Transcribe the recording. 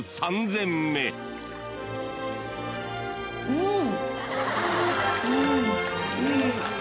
うん！